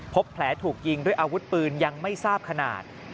พบแผลถูกยิงด้วยอาวุธปืนยังไม่ทราบขนาด